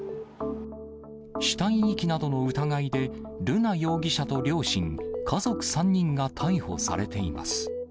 死体遺棄などの疑いで、瑠奈容疑者と両親、家族３人が逮捕されています。